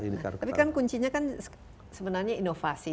tapi kan kuncinya kan sebenarnya inovasi